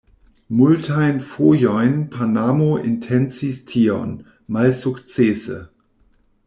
Multajn fojojn Panamo intencis tion, malsukcese.